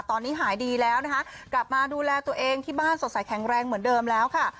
ตอนนี้หายดีแล้วนะคะกลับมาดูแลตัวเองที่บ้านสดใสแข็งแรงเหมือนเดิมแล้วค่ะ